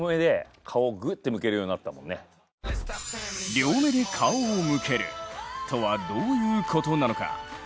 両目で顔を向けるとはどういうことなのか。